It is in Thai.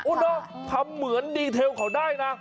ด้วยเฉพาะทำเหมือนครักก่อเลยนะ